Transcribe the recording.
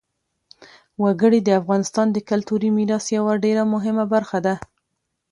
وګړي د افغانستان د کلتوري میراث یوه ډېره مهمه برخه ده.